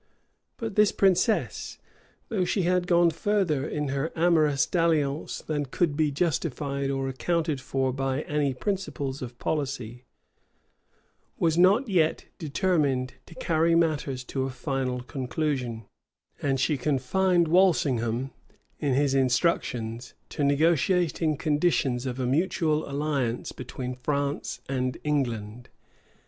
But this princess, though she had gone further in her amorous dalliance[*] than could be justified or accounted for by any principles of policy, was not yet determined to carry matters to a final conclusion; and she confined Walsingham, in his instructions, to negotiating conditions of a mutual alliance between France and England.